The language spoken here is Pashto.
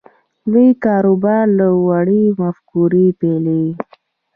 لوی کاروبار له وړې مفکورې پیلېږي